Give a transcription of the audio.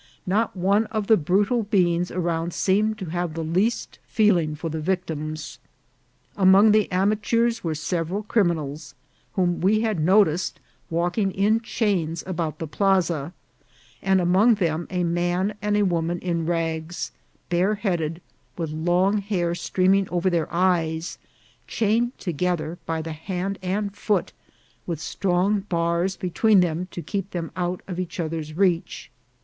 Not one of the brutal beings around seemed to have the least feeling for the victims. Among the amateurs were several criminals, whom we had noticed walking in chains about the plaza, and among them a man and woman in rags, bareheaded, with long hair streaming over their eyes, chained togeth er by the hand and foot, with strong bars between them to keep them out of each other's reach.